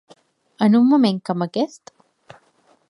En un moment com aquest?